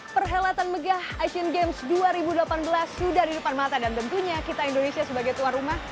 perhelatan megah asian games dua ribu delapan belas sudah di depan mata dan tentunya kita indonesia sebagai tuan rumah